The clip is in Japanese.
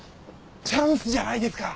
チャンスじゃないですか。